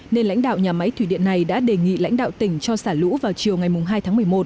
nên lãnh đạo nhà máy thủy điện này đã đề nghị lãnh đạo tỉnh cho xả lũ vào chiều ngày hai tháng một mươi một